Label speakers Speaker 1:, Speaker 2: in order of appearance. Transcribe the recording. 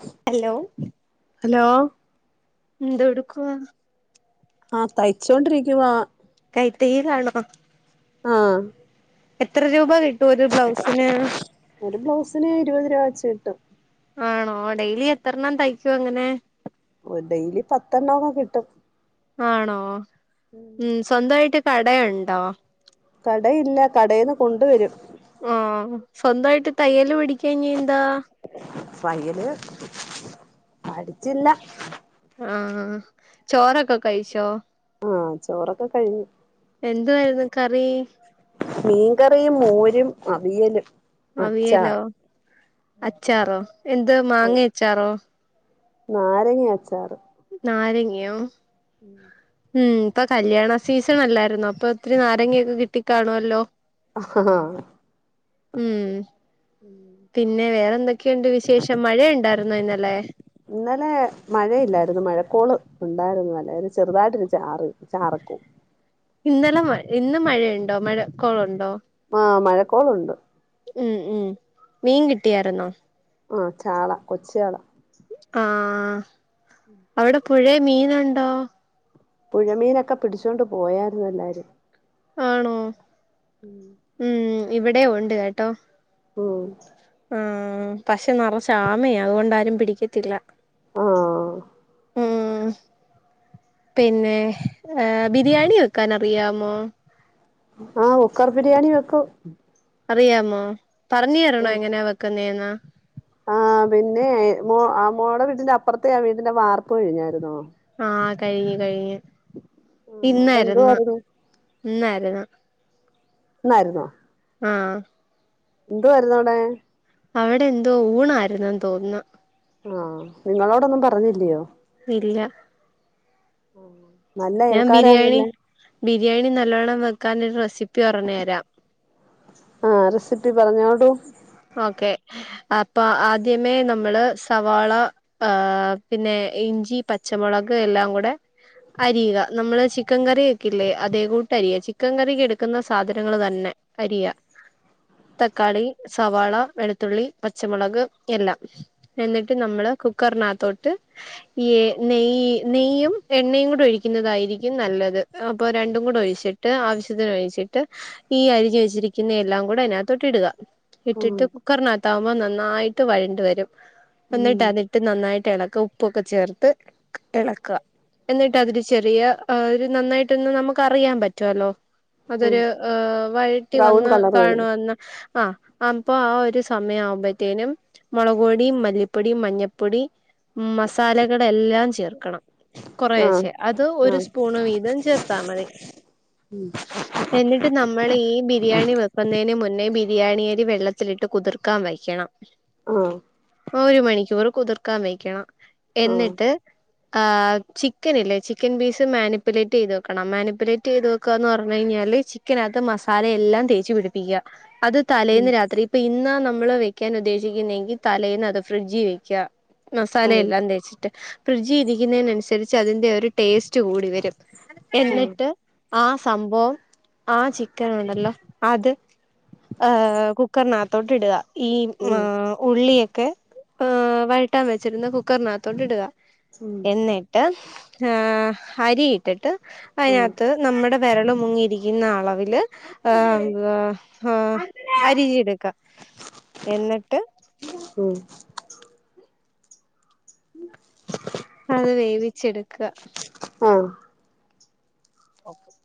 Speaker 1: ആ
Speaker 2: hello
Speaker 1: hello
Speaker 2: എന്തൊടുക്കുവാ?
Speaker 1: ആഹ് തയ്ച്ചോണ്ടിരിക്കുവാ
Speaker 2: കൈ തൊഴിലാണോ?
Speaker 1: ആഹ്
Speaker 2: എത്ര രൂപ കിട്ടും ഒരു ബ്ലൗസിന്?
Speaker 1: ഒരു ബ്ലൗസിന് ഇരുപത് രൂപ വെച്ച് കിട്ടും.
Speaker 2: ആണോ ഡെയിലി എത്രണ്ണം തയ്ക്കും അങ്ങനെ?
Speaker 1: ഓ ഡെയിലി പത്തെണ്ണൊക്കെ കിട്ടും.
Speaker 2: ആണോ ഉം സ്വന്തായിട്ട് കടയുണ്ടോ?
Speaker 1: കടയില്ല കടയേന്ന് കൊണ്ടുവരും.
Speaker 2: ആഹ് സ്വന്ത ആയിട്ട് തയ്യല് പഠിക്കാഞ്ഞീ എന്താ?
Speaker 1: തയ്യല് പഠിച്ചില്ല.
Speaker 2: ആഹ് ചോറൊക്കെ കഴിച്ചോ
Speaker 1: ആഹ് ചോറൊക്കെ കഴിഞ്ഞു
Speaker 2: എന്തായിരുന്നു കറി
Speaker 1: മീൻകറിയും മോരും അവിയലും
Speaker 2: അവിയലോ
Speaker 1: അച്ചാർ
Speaker 2: അച്ചാറോ എന്ത് മാങ്ങ അച്ചാറോ
Speaker 1: നാരങ്ങ അച്ചാറ്
Speaker 2: നാരങ്ങയോ
Speaker 1: ഉം
Speaker 2: ഉം ഇപ്പൊ കല്യാണ സീസൺ അല്ലായിരുന്ന അപ്പൊ ഒത്തിരി നാരങ്ങൊക്കെ കിട്ടിക്കാണുവല്ലോ
Speaker 1: ആഹ്
Speaker 2: ഉം പിന്നെ വേറെ എന്തൊക്കെയുണ്ട് വിശേഷം മഴയുണ്ടായിുന്നോ ഇന്നലെ
Speaker 1: ഇന്നലെ മഴയില്ലായിരുന്നു മഴക്കോള് ഉണ്ടായിരുന്നു അല്ല ചെറുതായിട്ടൊരു ചാറ് ചാറക്കും
Speaker 2: ഇന്നലെ മ ഇന്ന് മഴയുണ്ടോ മഴ കൊ ളുണ്ടോ
Speaker 1: ആ മഴക്കോളുണ്ട്
Speaker 2: ഉം ഉം മീൻ കിട്ടിയായി രുന്നോ
Speaker 1: ആ ചാള കൊച്ചേ ചാള
Speaker 2: ആഹ്
Speaker 1: ഉ
Speaker 2: അവിടെ പുഴയിൽ മീനുണ്ടോ
Speaker 1: പുഴമീനൊക്കെ പിടിച്ചുകൊണ്ട് പോയായിരുന്നു എല്ലാരും
Speaker 2: ആണോ ഉം ഇവിടെ ഉണ്ട് കേട്ടോ
Speaker 1: ഉം
Speaker 2: ആഹ് പക്ഷെ നിറച്ച് ആമയാ അതുകൊണ്ടാരും പിടിക്കത്തില്ല
Speaker 1: ആഹ്
Speaker 2: ഉം പിന്നെ ബിരിയാണി വെക്കാൻ അറിയാമോ
Speaker 1: ആഹ് കുക്കർ ബിരിയാണി വെക്കും
Speaker 2: അറിയാമോ പറഞ്ഞ തരണോ എങ്ങനാ വെക്കുന്നേന്ന്
Speaker 1: ആഹ് പിന്നെ മോ ആ മോടെ വീട്ടിന്റെ അപ്പുറത്തെ ആ വീടിന്റെ വാർപ്പ് കഴിഞ്ഞായിരുന്നോ
Speaker 2: ആഹ് കഴിഞ്ഞു കഴിഞ്ഞു
Speaker 1: ആഹ് അവിടെ
Speaker 2: ഇന്നായിരുന്നു
Speaker 1: എന്തുവായിരുന്നു
Speaker 2: ഇന്നായിരുന്നു
Speaker 1: ഇന്നായിരുന്നോ
Speaker 2: ആഹ്
Speaker 1: എന്തു വായിരുന്നു അവിടെ
Speaker 2: അവിടെ എന്തോ ഊണായിരു ന്നന്ന് തോന്നുന്നു
Speaker 1: ആഹ് നിങ്ങളോടൊന്നും പറഞ്ഞില്ലയോ
Speaker 2: ഇല്ല
Speaker 1: നല്ല
Speaker 2: ഞാൻ ബിരിയാണി
Speaker 1: അയൽക്കാരാന്നല്ലേ
Speaker 2: ബിരിയാണി നല്ലവണ്ണം വെക്കാനോ രു റെസിപ്പി പറ ഞ്ഞു തരാം
Speaker 1: ആഹ് റെസിപ്പി പറഞ്ഞോടൂ
Speaker 2: ഓക്കെ അപ്പൊ ആദ്യമേ നമ്മള് സവാള ആഹ് പിന്നെ ഇഞ്ചി പച്ചമുളക് എല്ലാം കൂടെ അരിയുക നമ്മള് ചിക്കൻ കറി വെ ക്കെല്ലേ അതേ കൂട്ട് അരിയ ചിക്കൻ കറിക്ക് എടുക്കുന്ന സാധനങ്ങൾ തന്നെ അരിയ തക്കാളി സവാള വെളുത്തുള്ളി പച്ചമുളക് എല്ലാം എന്നിട്ട് നമ്മള് കുക്കറിനകത്തോട്ട് ഈ നെയ്യ നെയ്യും എണ്ണയും കൂടെ ഒഴിക്കുന്നതായിരിക്കും നല്ലത് അപ്പൊ രണ്ടും കൂടെ ഒഴിച്ചിട്ട് ട്ട് ആവശ്യത്തിന് ഒ ഴിച്ചിട്ട് ഈ അരിഞ് വെച്ചിരിക്കുന്ന എല്ലാം കൂടെ അതിനകത്തോട്ട് ഇടുക
Speaker 1: ഉം
Speaker 2: ഇട്ടിട്ട് കുക്കറിനകത്ത ആകുമ്പോൾ നന്നായിട്ട് വഴണ്ട് വരും
Speaker 1: ഉം
Speaker 2: എന്നിട്ട് അതിട്ട് നന്നായിട്ട് എളക്ക ഉപ്പൊക്കെ ചേർത്ത് എളക്കാ എന്നിട്ട് അതൊരു ചെറിയ ഒരു നന്നായിട്ടൊന്ന് നമുക്കറിയാൻ പറ്റുവല്ലോ
Speaker 1: ഉം
Speaker 2: അതൊരു ഏഹ് വഴറ്റി
Speaker 1: ബ്രൗൺ
Speaker 2: വന്ന്
Speaker 1: കളർ വരുന്നു
Speaker 2: കാണുവന്ന് ആഹ് അപ്പൊ ആ ഒരു സമയം ആവുമ്പത്തേനും മൊളക് പൊടി മല്ലിപ്പൊടി മഞ്ഞപ്പൊടി മസാലകൾ എല്ലാം ചേർക്കണം
Speaker 1: ആഹ്
Speaker 2: കൊറേശെ അത് ഒരു
Speaker 1: ആഹ്
Speaker 2: സ്പൂണ് വീതം ചേർത്താ മതി
Speaker 1: ഉം
Speaker 2: എന്നിട്ട് നമ്മള് ഈ ബിരിയാണി വെക്കുന്നതിന് മുന്നേ ബിരിയാണി അരി വെള്ളത്തിലിട്ട് കുതിർക്കാൻ വയ്ക്കണം
Speaker 1: ആഹ്
Speaker 2: ഒരു മണിക്കൂറ് കുതിർക്കാൻ വെക്കണം
Speaker 1: ആഹ്
Speaker 2: എന്നിട്ട് ആഹ് ചിക്കൻ ഇല്ലേ ചിക്കൻ പീസ് മാനിപ്പുലേറ്റ് ചെയ്ത് വെക്കണം. മാനിപ്പുലേറ്റ് ചെയ്ത് വെക്കുകന്ന് പറഞ്ഞു കഴിഞ്ഞാല് ചി ക്കനകത്ത് മസാല എല്ലാം തേച്ചുപിടിപ്പിക്കുക അത് ത ലേന്ന് രാത്രി ഇപ്പൊ ഇന്നാ നമ്മള് വെക്കാൻ ഉദ്ദേശിക്കുന്നെങ്കിൽ തലേന്ന് അത് ഫ്രിഡ്ജിൽ വെക്ക.
Speaker 1: ആഹ് ആഹ്
Speaker 2: മസാലയെല്ലാം തേച്ചിട്ട് ഫ്രിഡ്ജിൽ ഇരിക്കുന്നതിനന്നുസരിച്ച് അതിൻ്റെ ഒരു ടേസ്റ്റ് കൂടി വരും.
Speaker 1: ഉം
Speaker 2: എന്നിട്ട്. ആ സംഭവം ആ ചിക്കന് ഉണ്ടല്ലോ അത് ഏഹ് ഏഹ് കുക്കറിനകത്തോട്ട് ഇടുക ഈ ആ
Speaker 1: ഉം
Speaker 2: ഉള്ളിയൊക്കെ. ഏഹ് വഴട്ടാൻ വെച്ചിരുന്ന കുക്കറിനകത്തോണ്ട് ഇടുക
Speaker 1: ഉം
Speaker 2: എന്നി ട്ട് ഏഹ് അരി ഇട്ടിട്ട്
Speaker 1: ഉം
Speaker 2: അതിനകത്ത്. നമ്മുടെ വിരല് മുങ്ങിയിരിക്കുന്ന അളവില് ഏഹ് എന്താ ഏഹ് അരി [unintelligible] എടുക്കാം. എന്നിട്ട്
Speaker 1: ഉം
Speaker 2: അത് വേവിച്ചെടുക്കാ
Speaker 1: ഓഹ്
Speaker 2: ഓക്കെ